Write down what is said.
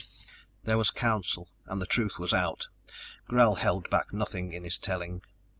There was Council, and the truth was out. Gral held back nothing in his telling.